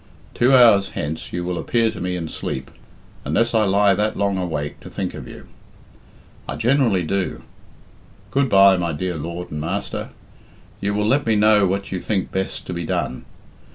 Two hours hence you will appear to me in sleep, unless I lie that long awake to think of you. I generally do. Good bye, my dear lord and master! You will let me know what you think best to be done.